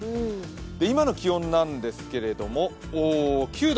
今の気温なんですけれども９度。